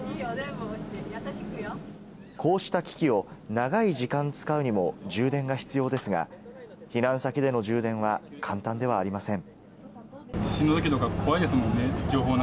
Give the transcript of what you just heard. こうした機器を長い時間使うにも充電が必要ですが、避難先での充電は簡単ではありません。